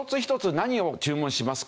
「何を注文しますか？」